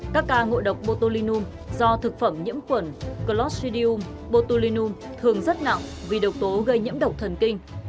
các ca ngộ độc botulinum do thực phẩm nhiễm khuẩn clostridium botulinum thường rất nặng vì độc tố gây nhiễm độc thần kinh